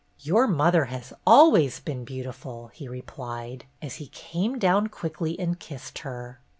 "Your mother has always been beautiful," he replied, as he came down quickly and kissed her.